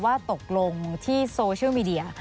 ว่าตกลงที่โซเชียลมีเดีย